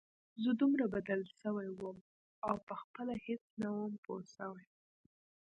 زه دومره بدل سوى وم او پخپله هېڅ نه وم پوه سوى.